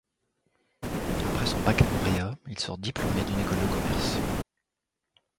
Après son baccalauréat, il sort diplômé d'une école de commerce.